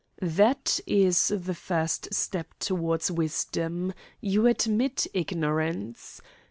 "That is the first step towards wisdom. You admit ignorance.